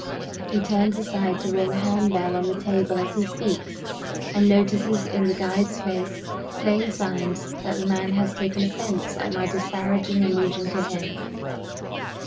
He turns aside to ring a hand bell on the table as he speaks; and notices in the guide's face plain signs that the man has taken offense at my disparaging allusion to him.